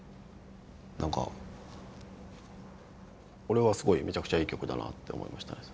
なんか俺はすごいめちゃくちゃいい曲だなって思いましたね。